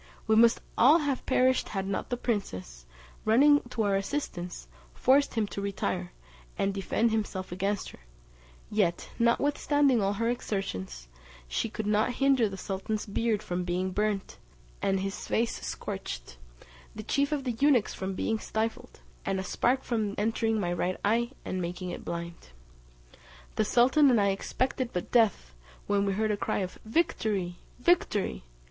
We must all have perished had not the princess, running to our assistance, forced him to retire, and defend himself against her; yet, notwithstanding all her exertions, she could not hinder the sultan's beard from being burnt, and his face scorched, the chief of the eunuchs from being stifled, and a spark from entering my right eye, and making it blind. The sultan and I expected but death, when we heard a cry of "Victory! Victory!"